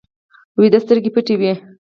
ویده سترګې پټې وي